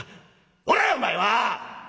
「こらお前は！